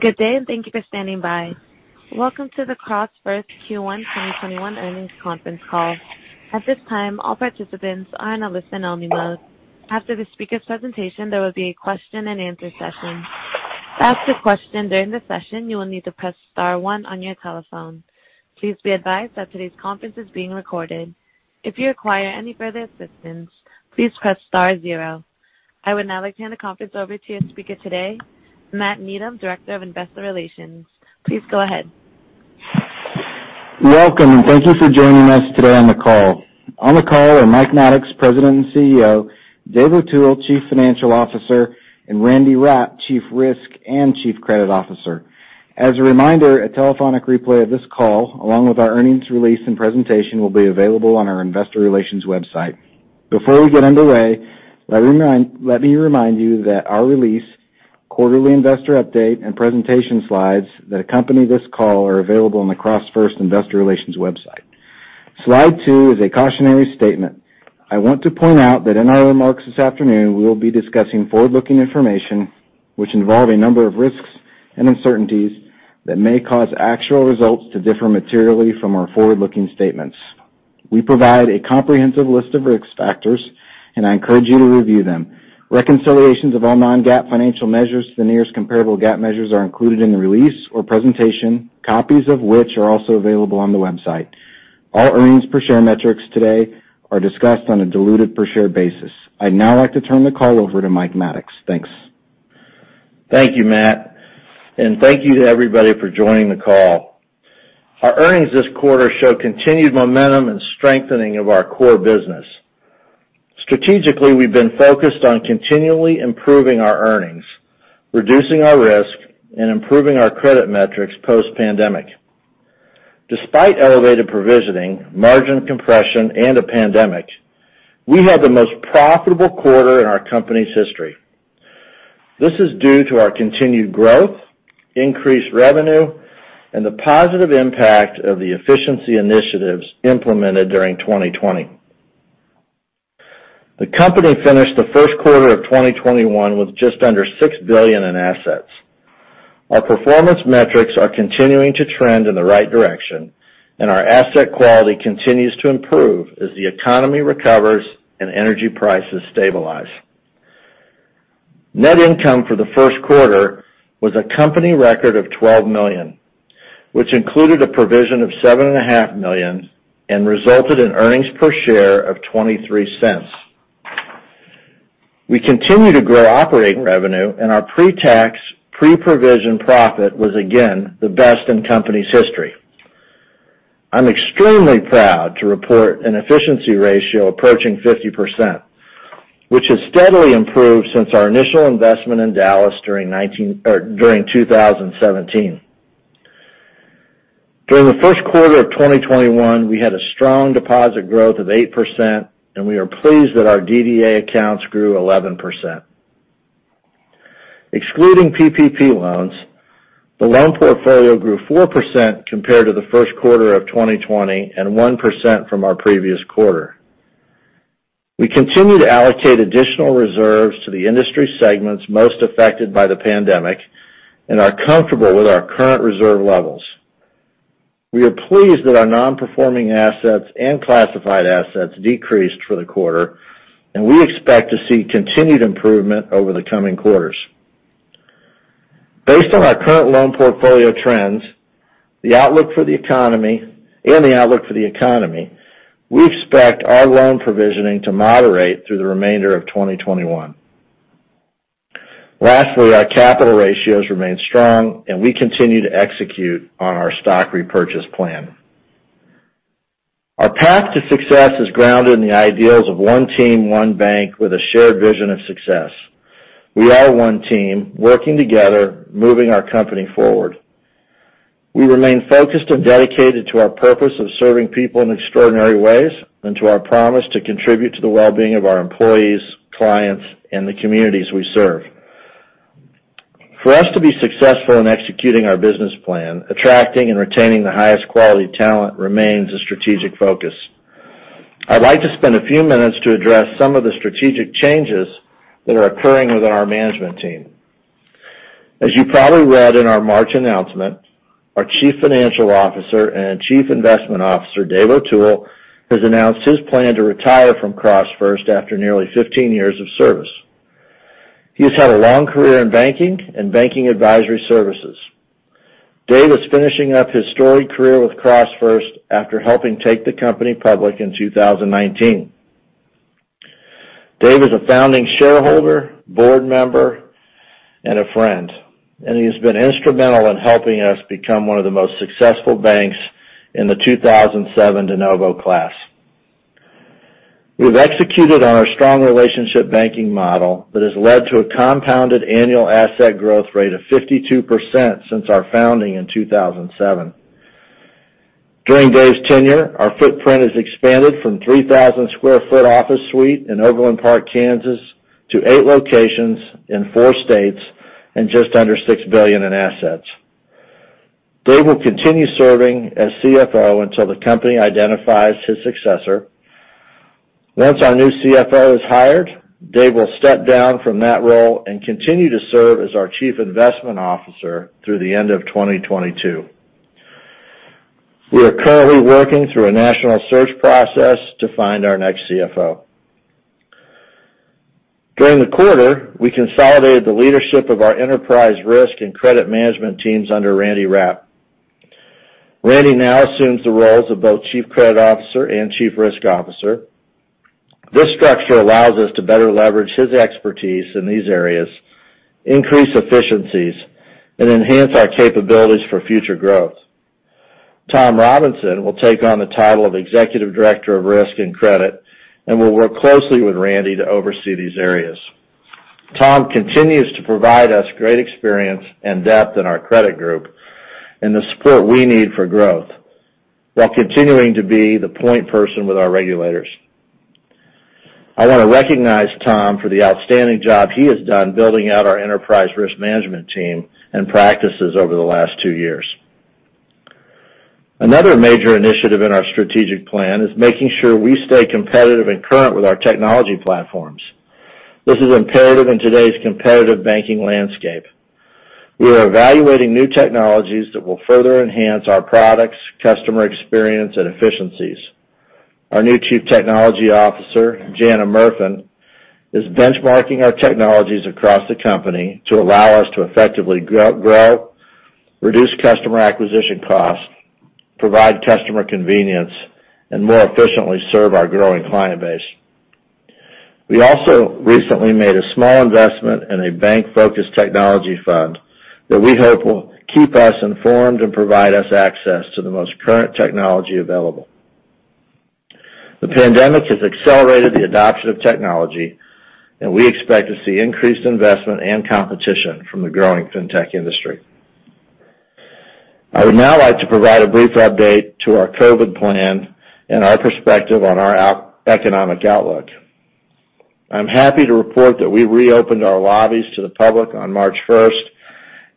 Good day, and thank you for standing by. Welcome to the CrossFirst Q1 2021 earnings conference call. At this time, all participants are in a listen-only mode. After the speaker presentation, there will be a question-and-answer session. To ask a question during the session, you will need to press star one your telephone. Please be advised that today's conference is being recorded. If you require any further assistance, please press star zero. I would now like to hand the conference over to your speaker today, Matt Needham, Director of Investor Relations. Please go ahead. Welcome, and thank you for joining us today on the call. On the call are Mike Maddox, President and CEO; Dave O'Toole, Chief Financial Officer; and Randy Rapp, Chief Risk and Chief Credit Officer. As a reminder, a telephonic replay of this call, along with our earnings release and presentation, will be available on our investor relations website. Before we get underway, let me remind you that our release, quarterly investor update, and presentation slides that accompany this call are available on the CrossFirst investor relations website. Slide two is a cautionary statement. I want to point out that in our remarks this afternoon, we will be discussing forward-looking information which involve a number of risks and uncertainties that may cause actual results to differ materially from our forward-looking statements. We provide a comprehensive list of risk factors, and I encourage you to review them. Reconciliations of all non-GAAP financial measures to the nearest comparable GAAP measures are included in the release or presentation, copies of which are also available on the website. All earnings per share metrics today are discussed on a diluted per share basis. I'd now like to turn the call over to Mike Maddox. Thanks. Thank you, Matt. Thank you to everybody for joining the call. Our earnings this quarter show continued momentum and strengthening of our core business. Strategically, we've been focused on continually improving our earnings, reducing our risk, and improving our credit metrics post-pandemic. Despite elevated provisioning, margin compression, and a pandemic, we had the most profitable quarter in our company's history. This is due to our continued growth, increased revenue, and the positive impact of the efficiency initiatives implemented during 2020. The company finished the first quarter of 2021 with just under $6 billion in assets. Our performance metrics are continuing to trend in the right direction, and our asset quality continues to improve as the economy recovers and energy prices stabilize. Net income for the first quarter was a company record of $12 million, which included a provision of $7.5 million and resulted in earnings per share of $0.23. We continue to grow operating revenue, and our pre-tax, pre-provision profit was again the best in company's history. I'm extremely proud to report an efficiency ratio approaching 50%, which has steadily improved since our initial investment in Dallas during 2017. During the first quarter of 2021, we had a strong deposit growth of 8%, and we are pleased that our DDA accounts grew 11%. Excluding PPP loans, the loan portfolio grew 4% compared to the first quarter of 2020 and 1% from our previous quarter. We continue to allocate additional reserves to the industry segments most affected by the pandemic and are comfortable with our current reserve levels. We are pleased that our non-performing assets and classified assets decreased for the quarter, and we expect to see continued improvement over the coming quarters. Based on our current loan portfolio trends and the outlook for the economy, we expect our loan provisioning to moderate through the remainder of 2021. Lastly, our capital ratios remain strong, and we continue to execute on our stock repurchase plan. Our path to success is grounded in the ideals of one team, one bank with a shared vision of success. We are one team working together, moving our company forward. We remain focused and dedicated to our purpose of serving people in extraordinary ways and to our promise to contribute to the well-being of our employees, clients, and the communities we serve. For us to be successful in executing our business plan, attracting and retaining the highest quality talent remains a strategic focus. I'd like to spend a few minutes to address some of the strategic changes that are occurring within our management team. As you probably read in our March announcement, our Chief Financial Officer and Chief Investment Officer, Dave O'Toole, has announced his plan to retire from CrossFirst after nearly 15 years of service. He has had a long career in banking and banking advisory services. Dave is finishing up his storied career with CrossFirst after helping take the company public in 2019. Dave is a founding shareholder, board member, and a friend, and he has been instrumental in helping us become one of the most successful banks in the 2007 de novo class. We've executed on our strong relationship banking model that has led to a compounded annual asset growth rate of 52% since our founding in 2007. During Dave's tenure, our footprint has expanded from a 3,000 sq ft office suite in Overland Park, Kansas, to eight locations in four states and just under $6 billion in assets. Dave will continue serving as CFO until the company identifies his successor. Once our new CFO is hired, Dave will step down from that role and continue to serve as our Chief Investment Officer through the end of 2022. We are currently working through a national search process to find our next CFO. During the quarter, we consolidated the leadership of our enterprise risk and credit management teams under Randy Rapp. Randy Rapp now assumes the roles of both Chief Credit Officer and Chief Risk Officer. This structure allows us to better leverage his expertise in these areas, increase efficiencies, and enhance our capabilities for future growth. Tom Robinson will take on the title of Executive Director of Risk and Credit and will work closely with Randy to oversee these areas. Tom continues to provide us great experience and depth in our credit group and the support we need for growth, while continuing to be the point person with our regulators. I want to recognize Tom for the outstanding job he has done building out our enterprise risk management team and practices over the last two years. Another major initiative in our strategic plan is making sure we stay competitive and current with our technology platforms. This is imperative in today's competitive banking landscape. We are evaluating new technologies that will further enhance our products, customer experience, and efficiencies. Our new Chief Technology Officer, Jana Merfen, is benchmarking our technologies across the company to allow us to effectively grow, reduce customer acquisition costs, provide customer convenience, and more efficiently serve our growing client base. We also recently made a small investment in a bank-focused technology fund that we hope will keep us informed and provide us access to the most current technology available. The pandemic has accelerated the adoption of technology, we expect to see increased investment and competition from the growing fintech industry. I would now like to provide a brief update to our COVID plan and our perspective on our economic outlook. I'm happy to report that we reopened our lobbies to the public on March 1st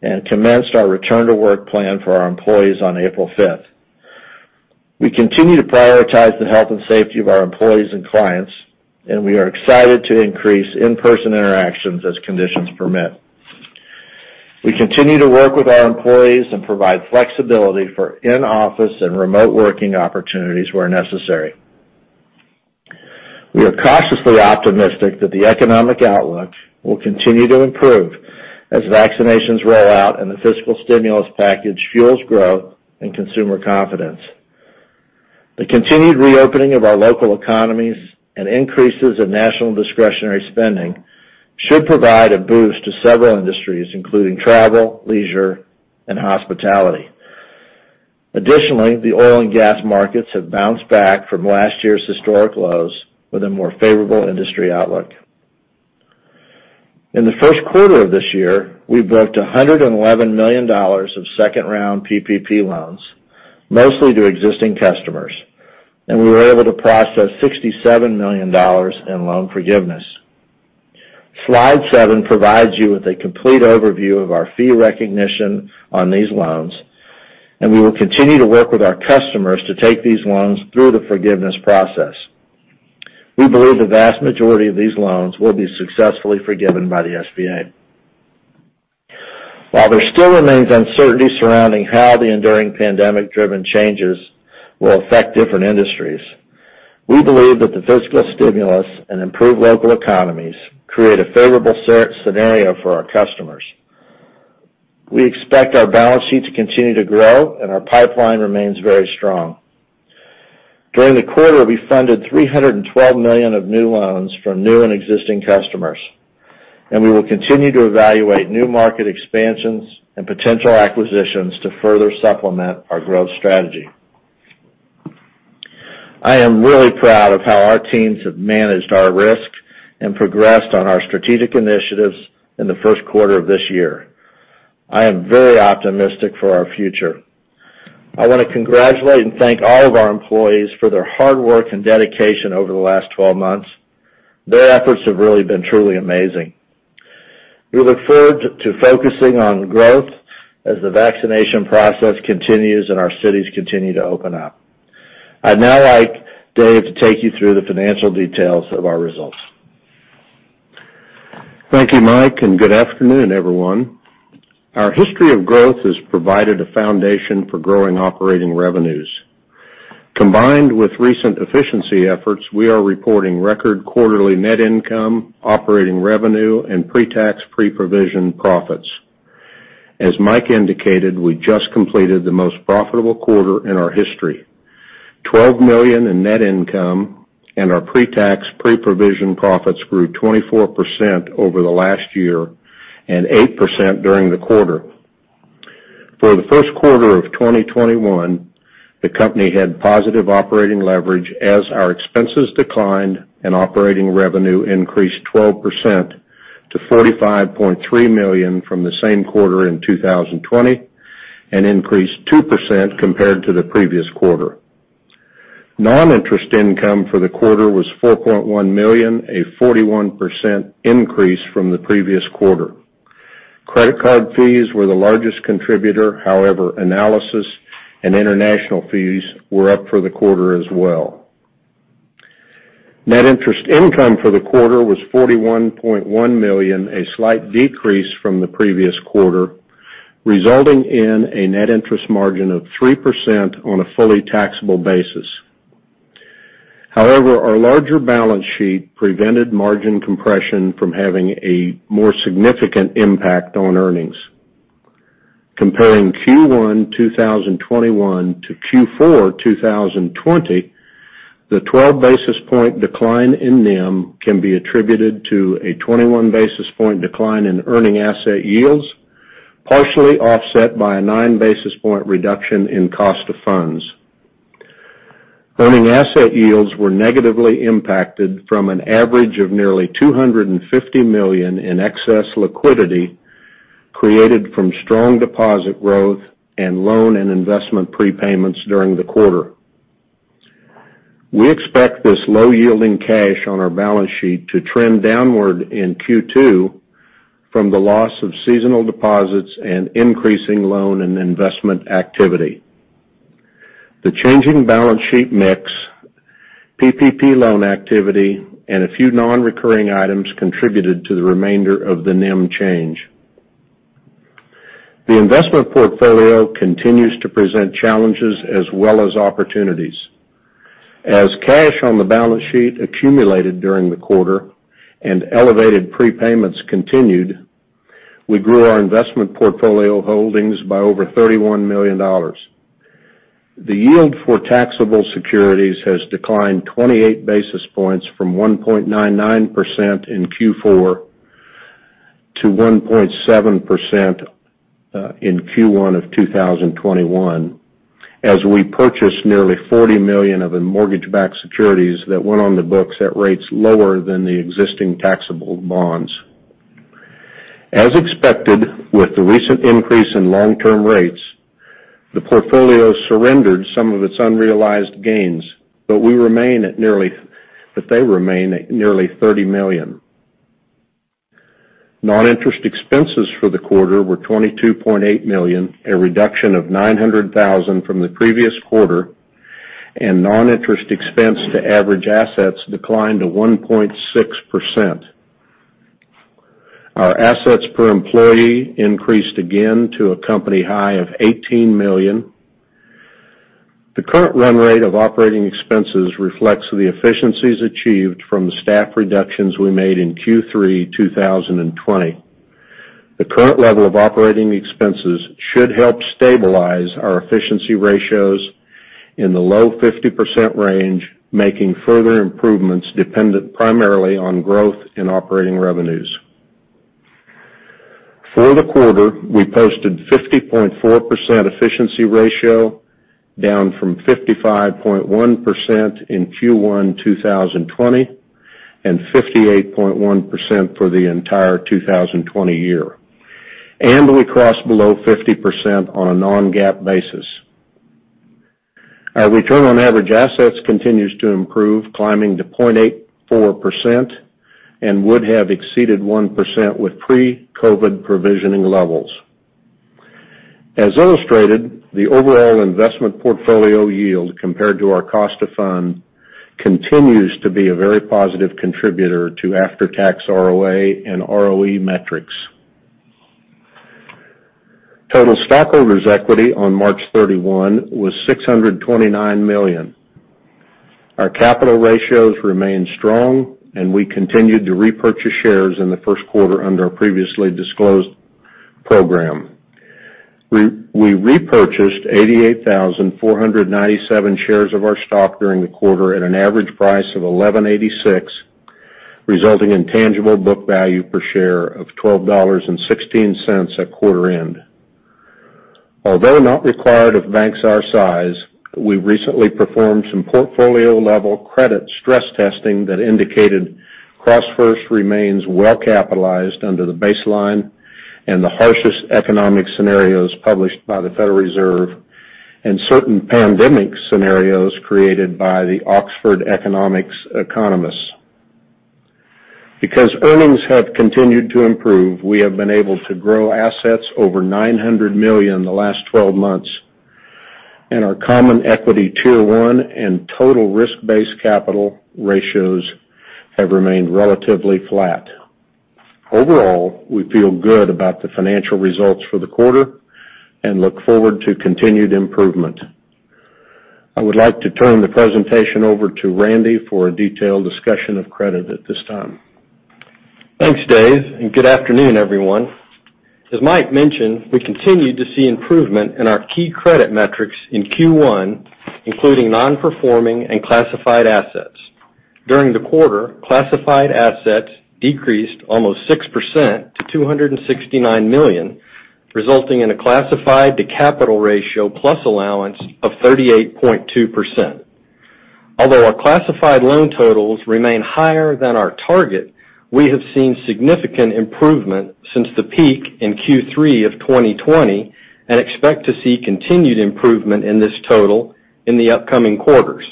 and commenced our return to work plan for our employees on April 5th. We continue to prioritize the health and safety of our employees and clients, and we are excited to increase in-person interactions as conditions permit. We continue to work with our employees and provide flexibility for in-office and remote working opportunities where necessary. We are cautiously optimistic that the economic outlook will continue to improve as vaccinations roll out and the fiscal stimulus package fuels growth and consumer confidence. The continued reopening of our local economies and increases in national discretionary spending should provide a boost to several industries, including travel, leisure, and hospitality. Additionally, the oil and gas markets have bounced back from last year's historic lows with a more favorable industry outlook. In the first quarter of this year, we booked $111 million of second-round PPP loans, mostly to existing customers, and we were able to process $67 million in loan forgiveness. Slide seven provides you with a complete overview of our fee recognition on these loans, and we will continue to work with our customers to take these loans through the forgiveness process. We believe the vast majority of these loans will be successfully forgiven by the SBA. While there still remains uncertainty surrounding how the enduring pandemic-driven changes will affect different industries, we believe that the fiscal stimulus and improved local economies create a favorable scenario for our customers. We expect our balance sheet to continue to grow, and our pipeline remains very strong. During the quarter, we funded $312 million of new loans from new and existing customers, and we will continue to evaluate new market expansions and potential acquisitions to further supplement our growth strategy. I am really proud of how our teams have managed our risk and progressed on our strategic initiatives in the first quarter of this year. I am very optimistic for our future. I want to congratulate and thank all of our employees for their hard work and dedication over the last 12 months. Their efforts have really been truly amazing. We look forward to focusing on growth as the vaccination process continues and our cities continue to open up. I'd now like Dave to take you through the financial details of our results. Thank you, Mike. Good afternoon, everyone. Our history of growth has provided a foundation for growing operating revenues. Combined with recent efficiency efforts, we are reporting record quarterly net income, operating revenue, and pre-tax, pre-provision profits. As Mike indicated, we just completed the most profitable quarter in our history, $12 million in net income. Our pre-tax, pre-provision profits grew 24% over the last year and 8% during the quarter. For the first quarter of 2021, the company had positive operating leverage as our expenses declined. Operating revenue increased 12% to $45.3 million from the same quarter in 2020 and increased 2% compared to the previous quarter. Non-interest income for the quarter was $4.1 million, a 41% increase from the previous quarter. Credit card fees were the largest contributor. However, analysis and international fees were up for the quarter as well. Net interest income for the quarter was $41.1 million, a slight decrease from the previous quarter, resulting in a net interest margin of 3% on a fully taxable basis. Our larger balance sheet prevented margin compression from having a more significant impact on earnings. Comparing Q1 2021 to Q4 2020, the 12 basis point decline in NIM can be attributed to a 21 basis point decline in earning asset yields, partially offset by a 9 basis point reduction in cost of funds. Earning asset yields were negatively impacted from an average of nearly $250 million in excess liquidity created from strong deposit growth and loan and investment prepayments during the quarter. We expect this low-yielding cash on our balance sheet to trend downward in Q2 from the loss of seasonal deposits and increasing loan and investment activity. The changing balance sheet mix, PPP loan activity, and a few non-recurring items contributed to the remainder of the NIM change. The investment portfolio continues to present challenges as well as opportunities. As cash on the balance sheet accumulated during the quarter and elevated prepayments continued, we grew our investment portfolio holdings by over $31 million. The yield for taxable securities has declined 28 basis points from 1.99% in Q4 to 1.7% in Q1 of 2021, as we purchased nearly $40 million of mortgage-backed securities that went on the books at rates lower than the existing taxable bonds. As expected, with the recent increase in long-term rates, the portfolio surrendered some of its unrealized gains, but they remain at nearly $30 million. Non-interest expenses for the quarter were $22.8 million, a reduction of $900,000 from the previous quarter, and non-interest expense to average assets declined to 1.6%. Our assets per employee increased again to a company high of $18 million. The current run rate of operating expenses reflects the efficiencies achieved from the staff reductions we made in Q3 2020. The current level of operating expenses should help stabilize our efficiency ratios in the low 50% range, making further improvements dependent primarily on growth in operating revenues. For the quarter, we posted 50.4% efficiency ratio, down from 55.1% in Q1 2020 and 58.1% for the entire 2020 year. We crossed below 50% on a non-GAAP basis. Our return on average assets continues to improve, climbing to 0.84%, and would have exceeded 1% with pre-COVID provisioning levels. As illustrated, the overall investment portfolio yield compared to our cost of fund continues to be a very positive contributor to after-tax ROA and ROE metrics. Total stockholders' equity on March 31 was $629 million. Our capital ratios remain strong, and we continued to repurchase shares in the first quarter under our previously disclosed program. We repurchased 88,497 shares of our stock during the quarter at an average price of $11.86, resulting in tangible book value per share of $12.16 at quarter end. Although not required of banks our size, we recently performed some portfolio-level credit stress testing that indicated CrossFirst remains well-capitalized under the baseline and the harshest economic scenarios published by the Federal Reserve and certain pandemic scenarios created by the Oxford Economics economists. Because earnings have continued to improve, we have been able to grow assets over $900 million in the last 12 months, and our common equity Tier 1 and total risk-based capital ratios have remained relatively flat. Overall, we feel good about the financial results for the quarter and look forward to continued improvement. I would like to turn the presentation over to Randy for a detailed discussion of credit at this time. Thanks, Dave, good afternoon, everyone. As Mike mentioned, we continued to see improvement in our key credit metrics in Q1, including non-performing and classified assets. During the quarter, classified assets decreased almost 6% to $269 million, resulting in a classified to capital ratio plus allowance of 38.2%. Although our classified loan totals remain higher than our target, we have seen significant improvement since the peak in Q3 of 2020 and expect to see continued improvement in this total in the upcoming quarters.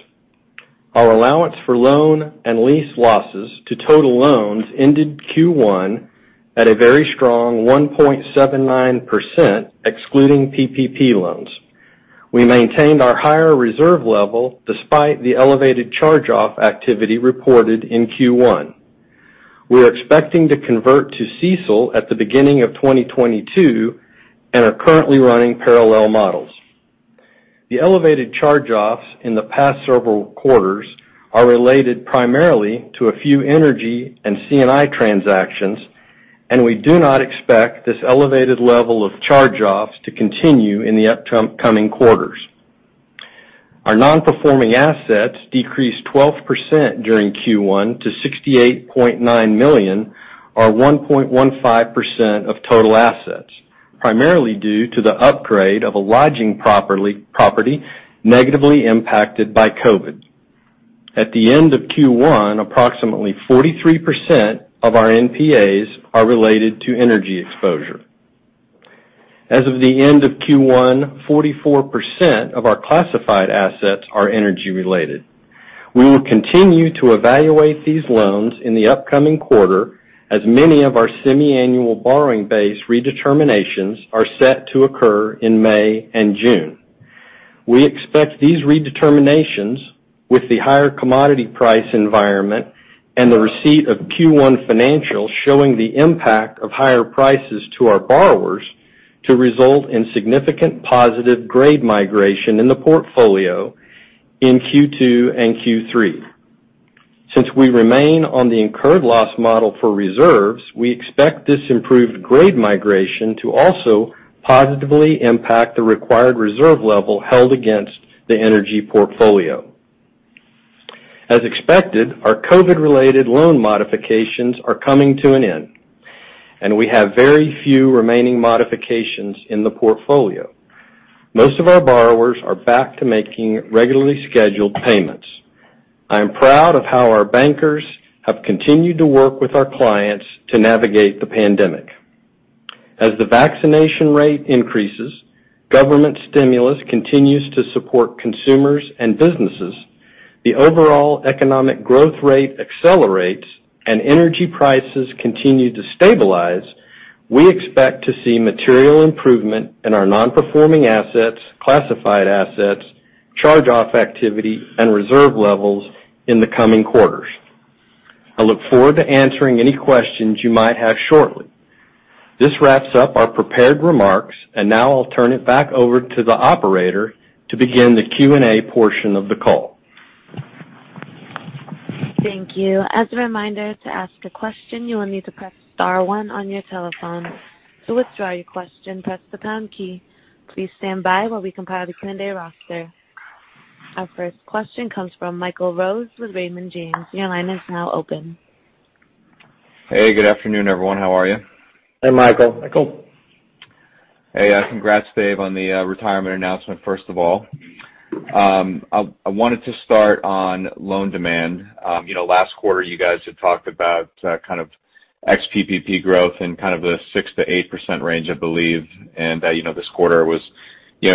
Our allowance for loan and lease losses to total loans ended Q1 at a very strong 1.79%, excluding PPP loans. We maintained our higher reserve level despite the elevated charge-off activity reported in Q1. We're expecting to convert to CECL at the beginning of 2022, are currently running parallel models. The elevated charge-offs in the past several quarters are related primarily to a few energy and C&I transactions, and we do not expect this elevated level of charge-offs to continue in the upcoming quarters. Our non-performing assets decreased 12% during Q1 to $68.9 million, or 1.15% of total assets, primarily due to the upgrade of a lodging property negatively impacted by COVID. At the end of Q1, approximately 43% of our NPAs are related to energy exposure. As of the end of Q1, 44% of our classified assets are energy related. We will continue to evaluate these loans in the upcoming quarter, as many of our semiannual borrowing base redeterminations are set to occur in May and June. We expect these redeterminations, with the higher commodity price environment and the receipt of Q1 financials showing the impact of higher prices to our borrowers, to result in significant positive grade migration in the portfolio in Q2 and Q3. Since we remain on the incurred loss model for reserves, we expect this improved grade migration to also positively impact the required reserve level held against the energy portfolio. As expected, our COVID-related loan modifications are coming to an end, and we have very few remaining modifications in the portfolio. Most of our borrowers are back to making regularly scheduled payments. I am proud of how our bankers have continued to work with our clients to navigate the pandemic. As the vaccination rate increases, government stimulus continues to support consumers and businesses, the overall economic growth rate accelerates, and energy prices continue to stabilize, we expect to see material improvement in our non-performing assets, classified assets, charge-off activity, and reserve levels in the coming quarters. I look forward to answering any questions you might have shortly. This wraps up our prepared remarks, and now I'll turn it back over to the operator to begin the Q&A portion of the call. Thank you. As a reminder, to ask a question, you will need to press star one on your telephone. To withdraw your question, press the pound key. Please stand by while we compile the Q&A roster. Our first question comes from Michael Rose with Raymond James. Your line is now open. Hey, good afternoon, everyone. How are you? Hey, Michael. Michael. Hey. Congrats, Dave, on the retirement announcement, first of all. I wanted to start on loan demand. Last quarter, you guys had talked about kind of ex-PPP growth in kind of the 6%-8% range, I believe, and that this quarter was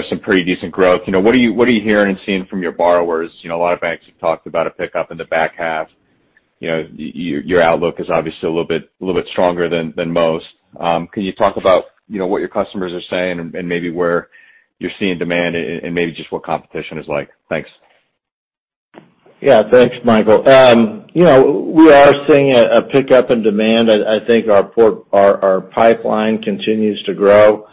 some pretty decent growth. What are you hearing and seeing from your borrowers? A lot of banks have talked about a pickup in the back half. Your outlook is obviously a little bit stronger than most. Can you talk about what your customers are saying and maybe where you're seeing demand and maybe just what competition is like? Thanks. Yeah. Thanks, Michael. We are seeing a pickup in demand. I think our pipeline continues to grow.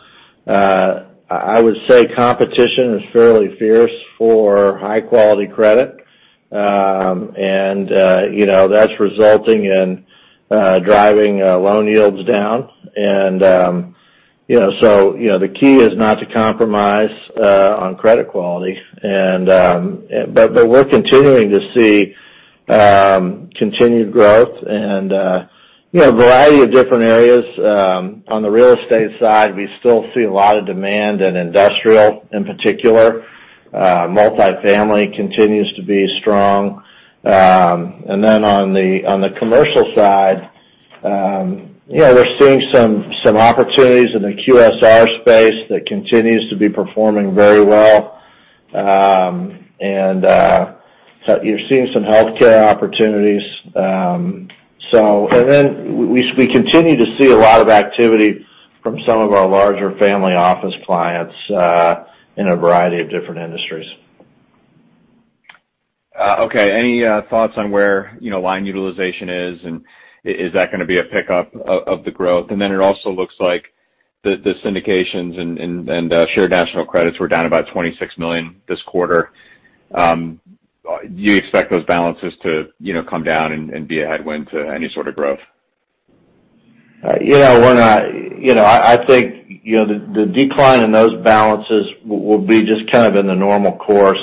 I would say competition is fairly fierce for high-quality credit, and that's resulting in driving loan yields down. The key is not to compromise on credit quality. But we're continuing to see continued growth and a variety of different areas. On the real estate side, we still see a lot of demand in industrial, in particular. Multifamily continues to be strong. On the commercial side, we're seeing some opportunities in the QSR space that continues to be performing very well. You're seeing some healthcare opportunities. We continue to see a lot of activity from some of our larger family office clients in a variety of different industries. Okay. Any thoughts on where line utilization is, and is that going to be a pickup of the growth? Then it also looks like the syndications and shared national credits were down about $26 million this quarter. Do you expect those balances to come down and be a headwind to any sort of growth? I think the decline in those balances will be just kind of in the normal course.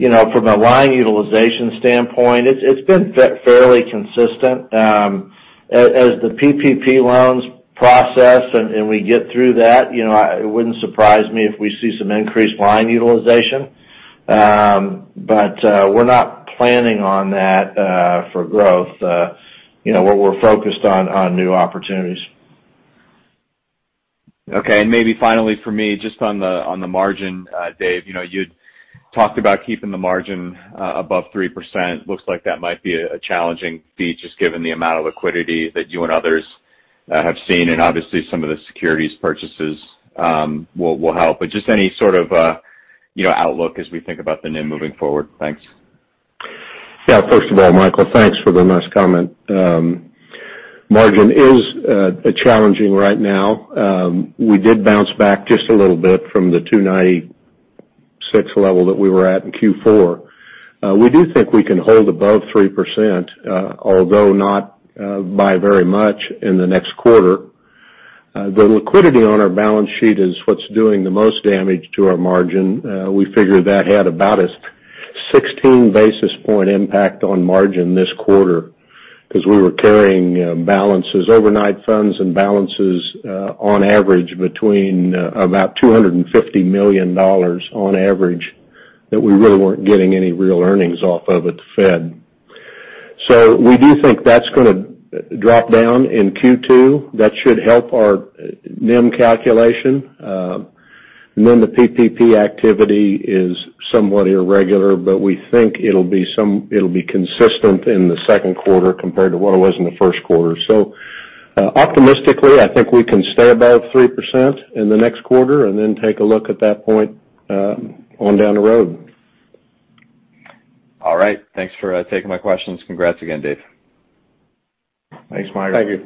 From a line utilization standpoint, it's been fairly consistent. As the PPP loans process and we get through that, it wouldn't surprise me if we see some increased line utilization. We're not planning on that for growth. What we're focused on new opportunities.3 Okay. Maybe finally for me, just on the margin, Dave, you'd talked about keeping the margin above 3%. Looks like that might be a challenging feat, just given the amount of liquidity that you and others have seen, and obviously some of the securities purchases will help. Just any sort of outlook as we think about the NIM moving forward. Thanks. Yeah. First of all, Michael, thanks for the nice comment. Margin is challenging right now. We did bounce back just a little bit from the 296 level that we were at in Q4. We do think we can hold above 3%, although not by very much in the next quarter. The liquidity on our balance sheet is what's doing the most damage to our margin. We figure that had about a 16 basis point impact on margin this quarter, because we were carrying balances, overnight funds and balances, on average between about $250 million on average, that we really weren't getting any real earnings off of at the Fed. We do think that's going to drop down in Q2. That should help our NIM calculation. The PPP activity is somewhat irregular, but we think it'll be consistent in the second quarter compared to what it was in the first quarter. Optimistically, I think we can stay above 3% in the next quarter and then take a look at that point on down the road. All right. Thanks for taking my questions. Congrats again, Dave. Thanks, Michael.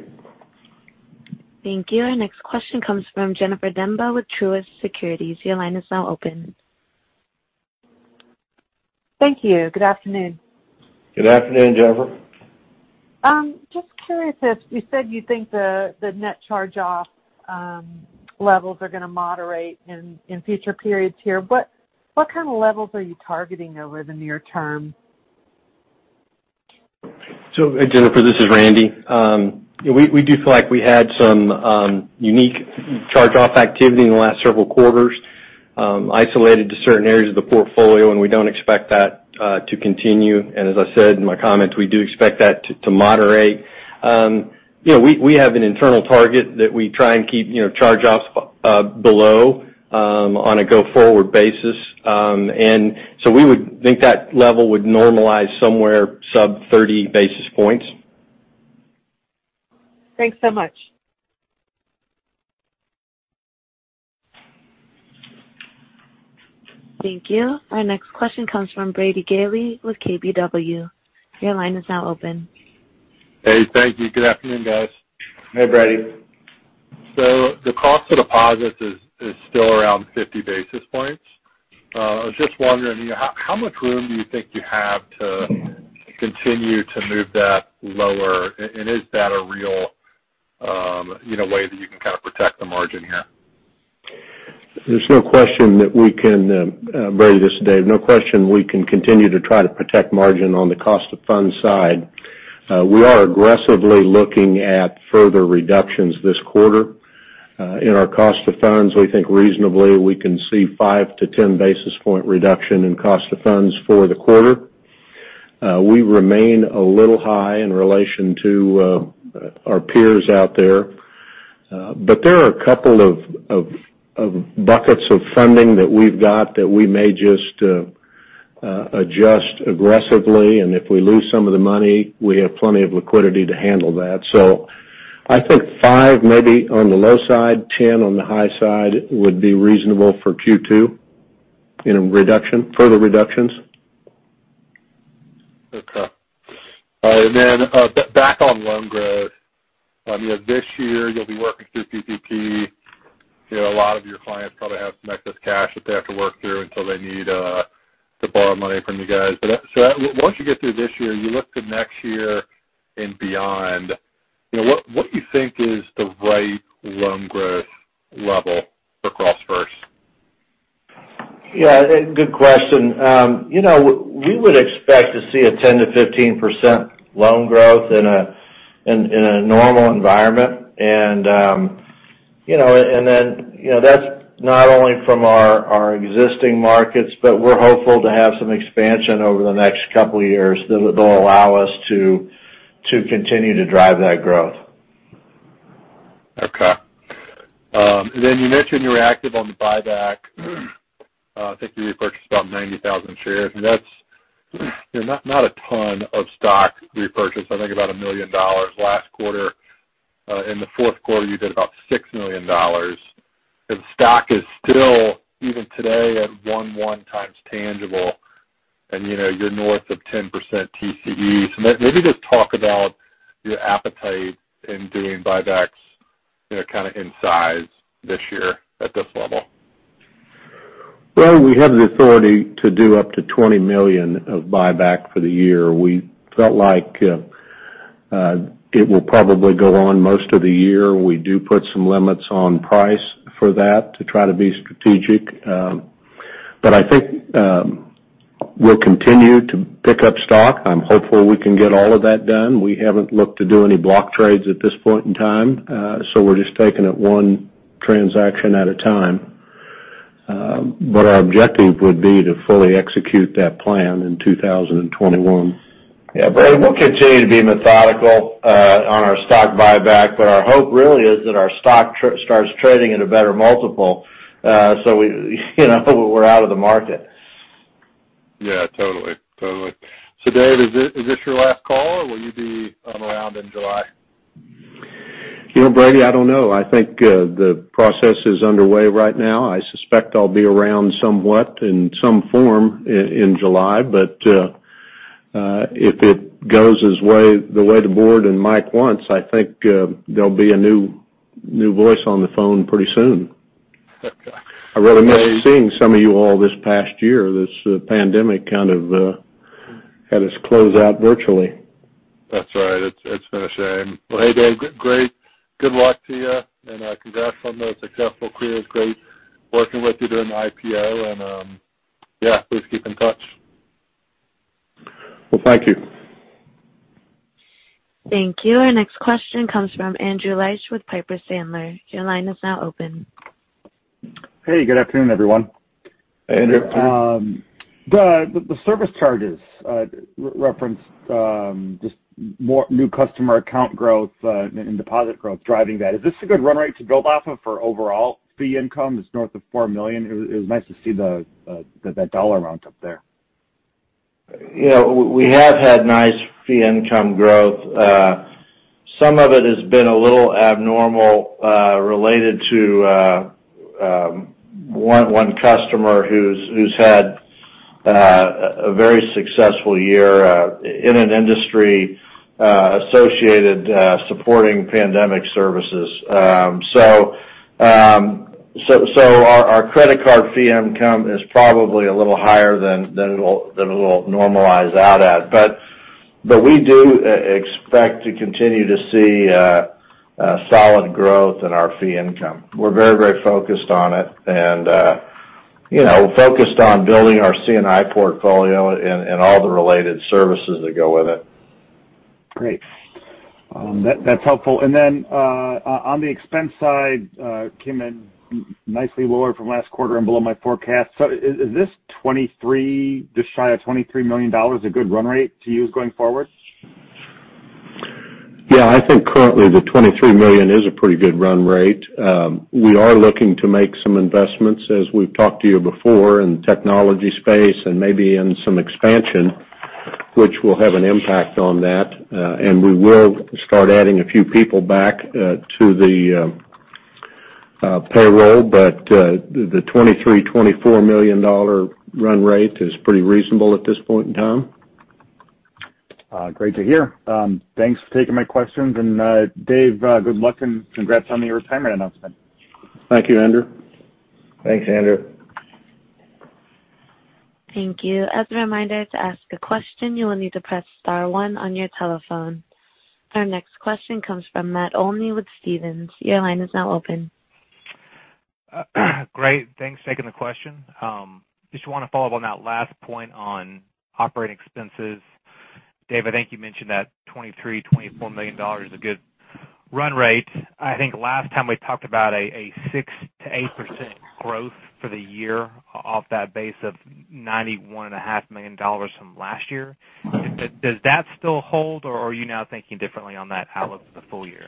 Thank you. Our next question comes from Jennifer Demba with Truist Securities. Your line is now open. Thank you. Good afternoon. Good afternoon, Jennifer. Just curious if you said you think the net charge-off levels are going to moderate in future periods here. What kind of levels are you targeting over the near term? Jennifer, this is Randy. We do feel like we had some unique charge-off activity in the last several quarters, isolated to certain areas of the portfolio, and we don't expect that to continue. As I said in my comments, we do expect that to moderate. We have an internal target that we try and keep charge-offs below on a go-forward basis. We would think that level would normalize somewhere sub 30 basis points. Thanks so much. Thank you. Our next question comes from Brady Gailey with KBW. Your line is now open. Hey, thank you. Good afternoon, guys. Hey, Brady. The cost of deposits is still around 50 basis points. I was just wondering, how much room do you think you have to continue to move that lower? Is that a real way that you can kind of protect the margin here? There's no question that we can, Brady, this is Dave. No question we can continue to try to protect margin on the cost of funds side. We are aggressively looking at further reductions this quarter. In our cost of funds, we think reasonably, we can see 5 basis point-10 basis point reduction in cost of funds for the quarter. We remain high in relation to our peers out there, but there are a couple of buckets of funding that we've got that we may just adjust aggressively, and if we lose some of the money, we have plenty of liquidity to handle that. I think 5 basis point maybe on the low side, 10 basis point on the high side would be reasonable for Q2 in further reductions. Okay. All right, back on loan growth. This year, you'll be working through PPP. A lot of your clients probably have some excess cash that they have to work through until they need to borrow money from you guys. Once you get through this year, you look to next year and beyond, what you think is the right loan growth level for CrossFirst? Yeah. Good question. We would expect to see a 10%-15% loan growth in a normal environment. That's not only from our existing markets, but we're hopeful to have some expansion over the next couple of years that'll allow us to continue to drive that growth. Okay. Then you mentioned you were active on the buyback. I think you repurchased about 90,000 shares. That's not a ton of stock repurchase. I think about $1 million last quarter. In the fourth quarter, you did about $6 million. Stock is still, even today, at one times tangible, and you're north of 10% TCE. Maybe just talk about your appetite in doing buybacks kind of in size this year at this level. Well, we have the authority to do up to $20 million of buyback for the year. We felt like it will probably go on most of the year. We do put some limits on price for that to try to be strategic. I think we'll continue to pick up stock. I'm hopeful we can get all of that done. We haven't looked to do any block trades at this point in time. We're just taking it one transaction at a time. Our objective would be to fully execute that plan in 2021. Yeah. Brady, we'll continue to be methodical on our stock buyback, but our hope really is that our stock starts trading at a better multiple, so we're out of the market. Yeah, totally. Dave, is this your last call, or will you be around in July? Brady, I don't know. I think the process is underway right now. I suspect I'll be around somewhat in some form in July. If it goes the way the board and Mike wants, I think there'll be a new voice on the phone pretty soon. I really miss seeing some of you all this past year. This pandemic kind of had us close out virtually. That's right. It's been a shame. Well, hey, Dave. Good luck to you, and congrats on the successful career. It's great working with you during the IPO, and please keep in touch. Well, thank you. Thank you. Our next question comes from Andrew Liesch with Piper Sandler. Your line is now open. Hey, good afternoon, everyone. Hey, Andrew. The service charges referenced just more new customer account growth and deposit growth driving that. Is this a good run rate to build off of for overall fee income? It's north of $4 million. It was nice to see that dollar amount up there. We have had nice fee income growth. Some of it has been a little abnormal, related to one customer who's had a very successful year in an industry associated supporting pandemic services. Our credit card fee income is probably a little higher than it'll normalize out at. We do expect to continue to see solid growth in our fee income. We're very focused on it, and focused on building our C&I portfolio and all the related services that go with it. Great. That's helpful. On the expense side, came in nicely lower from last quarter and below my forecast. Is this just shy of $23 million a good run rate to use going forward? Yeah, I think currently the $23 million is a pretty good run rate. We are looking to make some investments, as we've talked to you before, in technology space and maybe in some expansion, which will have an impact on that. We will start adding a few people back to the payroll. The $23 million-$24 million run rate is pretty reasonable at this point in time. Great to hear. Thanks for taking my questions. Dave, good luck and congrats on your retirement announcement. Thank you, Andrew. Thanks, Andrew. Thank you. As a reminder, to ask a question, you will need to press star one on your telephone. Our next question comes from Matt Olney with Stephens. Your line is now open. Great. Thanks for taking the question. I just want to follow up on that last point on operating expenses. Dave, I think you mentioned that $23 million, $24 million is a good run rate. I think last time we talked about a 6%-8% growth for the year off that base of $91.5 million from last year. Does that still hold, or are you now thinking differently on that outlook for the full year?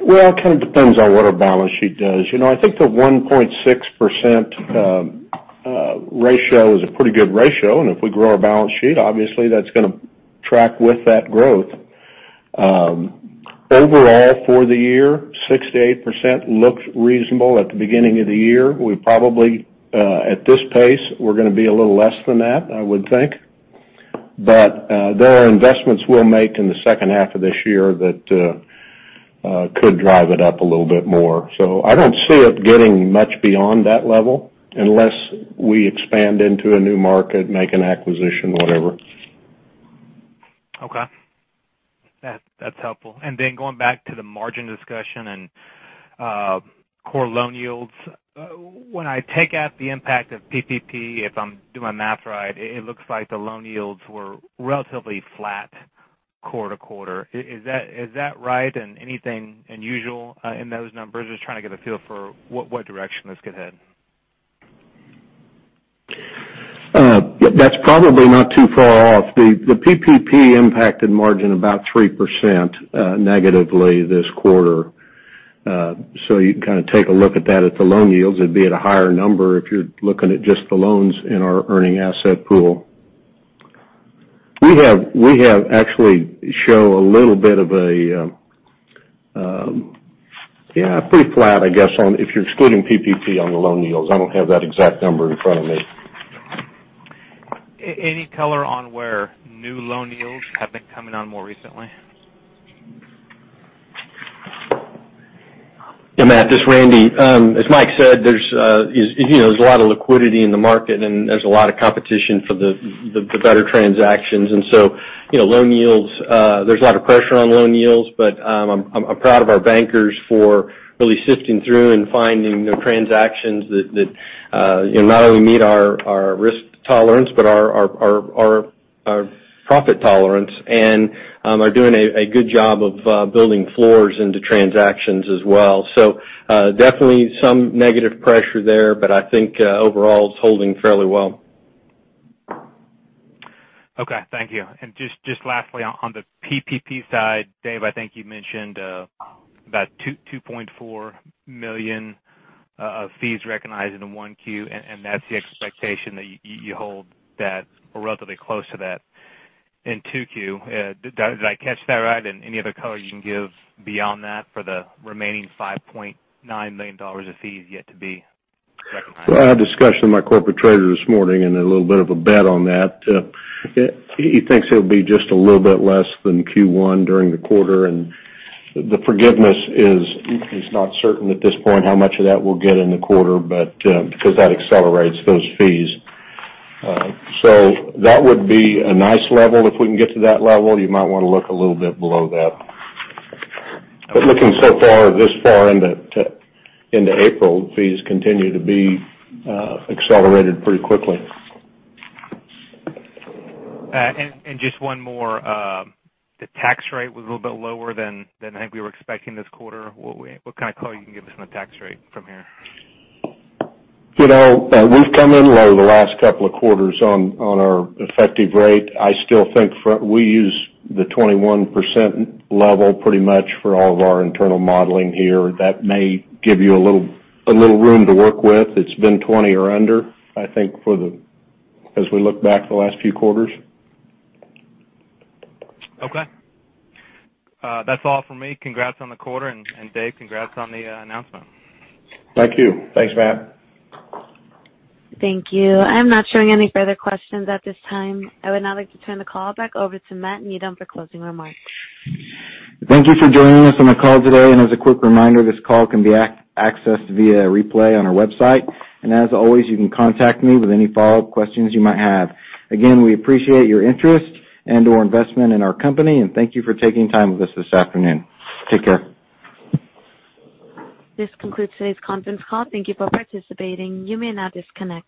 It kind of depends on what our balance sheet does. I think the 1.6% ratio is a pretty good ratio, and if we grow our balance sheet, obviously, that's going to track with that growth. Overall for the year, 6%-8% looked reasonable at the beginning of the year. We probably, at this pace, we're going to be a little less than that, I would think. There are investments we'll make in the second half of this year that could drive it up a little bit more. I don't see it getting much beyond that level unless we expand into a new market, make an acquisition, whatever. Okay. That's helpful. Then going back to the margin discussion and core loan yields. When I take out the impact of PPP, if I'm doing my math right, it looks like the loan yields were relatively flat quarter to quarter. Is that right? Anything unusual in those numbers? Just trying to get a feel for what direction this could head. That's probably not too far off. The PPP impacted margin about 3% negatively this quarter. You can kind of take a look at that at the loan yields. It'd be at a higher number if you're looking at just the loans in our earning asset pool. We have actually show a little bit of pretty flat, I guess, if you're excluding PPP on the loan yields. I don't have that exact number in front of me. Any color on where new loan yields have been coming on more recently? Yeah, Matt, this Randy. As Mike said, there's a lot of liquidity in the market, and there's a lot of competition for the better transactions. Loan yields, there's a lot of pressure on loan yields. I'm proud of our bankers for really sifting through and finding the transactions that not only meet our risk tolerance but are our profit tolerance and are doing a good job of building floors into transactions as well. Definitely some negative pressure there, but I think overall it's holding fairly well. Okay, thank you. Just lastly, on the PPP side, Dave, I think you mentioned about $2.4 million of fees recognized in 1Q, that's the expectation that you hold that or relatively close to that in 2Q. Did I catch that right? Any other color you can give beyond that for the remaining $5.9 million of fees yet to be recognized? I had a discussion with my corporate treasurer this morning and a little bit of a bet on that. He thinks it'll be just a little bit less than Q1 during the quarter. The forgiveness is not certain at this point how much of that we'll get in the quarter, but because that accelerates those fees. That would be a nice level if we can get to that level. You might want to look a little bit below that. Looking so far this far into April, fees continue to be accelerated pretty quickly. Just one more. The tax rate was a little bit lower than I think we were expecting this quarter. What kind of color you can give us on the tax rate from here? We've come in low the last couple of quarters on our effective rate. I still think we use the 21% level pretty much for all of our internal modeling here. That may give you a little room to work with. It's been 20% or under, I think, as we look back the last few quarters. Okay. That's all from me. Congrats on the quarter, and Dave, congrats on the announcement. Thank you. Thanks, Matt. Thank you. I'm not showing any further questions at this time. I would now like to turn the call back over to Matt Needham for closing remarks. Thank you for joining us on the call today, and as a quick reminder, this call can be accessed via replay on our website. As always, you can contact me with any follow-up questions you might have. Again, we appreciate your interest and or investment in our company, and thank you for taking time with us this afternoon. Take care. This concludes today's conference call. Thank You for participating. You may now disconnect.